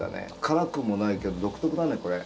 辛くもないけど独特だねこれ。